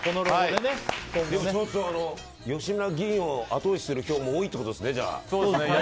吉村議員を後押しする票も多いんですね。